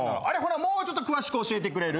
もうちょっと詳しく教えてくれる？